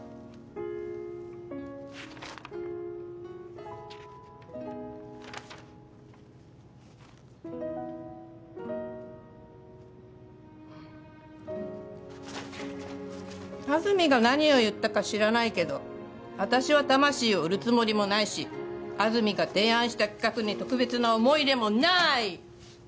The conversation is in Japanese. フッ安住が何を言ったか知らないけど私は魂を売るつもりもないし安住が提案した企画に特別な思い入れもなーい！